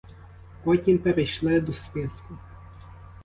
Потім перейшли до списку.